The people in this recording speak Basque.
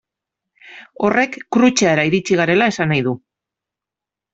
Horrek Krutxeara iritsi garela esan nahi du.